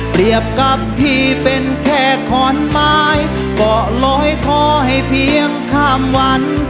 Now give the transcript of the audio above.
กับพี่เป็นแค่ขอนไม้ก็ลอยคอให้เพียงข้ามวัน